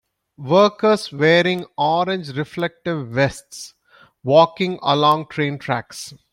Workers wearing orange reflective vests walking along train tracks.